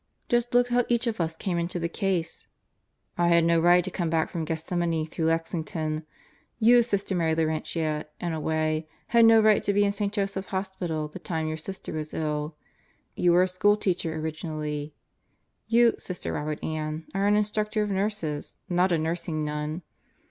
Just look how each of us came into the case: I had no right to come back from Gethsemani through Lexington. You, Sister Mary Laurentia, in a way, had no right to be in St. Joseph's Hospital the time your sister was ill. You were a school teacher originally. You, Sister Robert Ann, are an Instructor of Nurses, not a nurs ing nun.